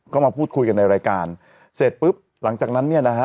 ก็มาพูดคุยกันในรายการเสร็จปุ๊บหลังจากนั้นเนี่ยนะฮะ